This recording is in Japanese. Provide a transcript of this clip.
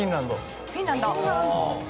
フィンランド。